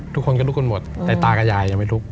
ทุกคนก็ลุกกันหมดแต่ตากับยายยังไม่ลุก